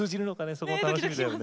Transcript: そこも楽しみですね。